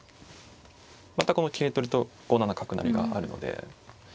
またこの桂取りと５七角成があるので。